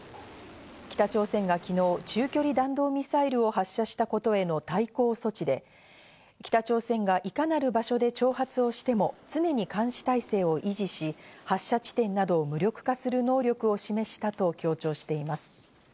北朝鮮が昨日、中距離弾道ミサイルを発射したことへの対抗措置で、北朝鮮がいかなる場所で挑発をしても常に監視態勢を維持し、発射地点などを無力化する能力を示したと強調しています。